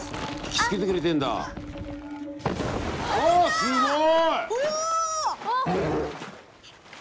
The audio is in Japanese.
すごい！